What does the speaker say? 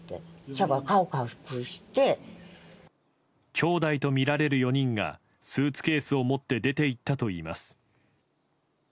きょうだいとみられる４人がスーツケースを持って出ていったといいます。